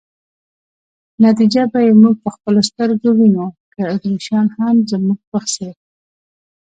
نتیجه به یې موږ په خپلو سترګو وینو، که اتریشیان هم زموږ په څېر.